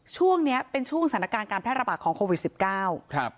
ช่วงเนี้ยเป็นช่วงสถานการณ์การแพร่ระบาดของโควิดสิบเก้าครับ